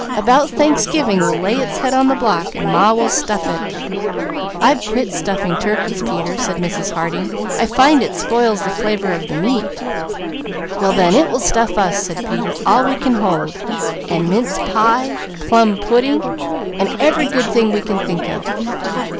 About Thanksgiving, we'll lay its head on the block and Ma will stuff it " "I've quit stuffing turkeys, Peter," said Mrs. Harding. "I find it spoils the flavour of the meat." "Well then it will stuff us," said Peter, "all we can hold, and mince pie, plum pudding, and every good thing we can think of.